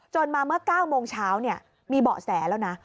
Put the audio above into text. มาเมื่อ๙โมงเช้ามีเบาะแสแล้วนะ